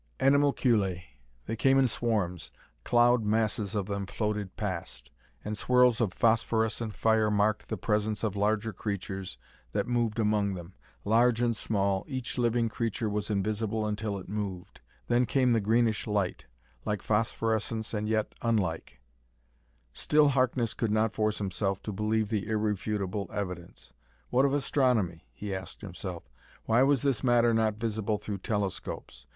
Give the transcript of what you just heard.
Animalculae. They came in swarms; cloud masses of them floated past; and swirls of phosphorescent fire marked the presence of larger creatures that moved among them. Large and small, each living creature was invisible until it moved; then came the greenish light, like phosphorescence and yet unlike. Still Harkness could not force himself to believe the irrefutable evidence. What of astronomy? he asked himself. Why was this matter not visible through telescopes?